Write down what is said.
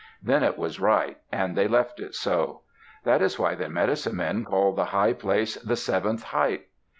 Then it was right and they left it so. That is why the medicine men called the high place "the seventh height."